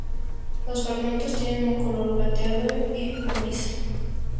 Los fragmentos tienen un color plateado y plomizo.